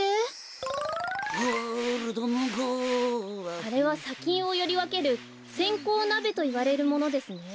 あれはさきんをよりわけるせんこうなべといわれるものですね。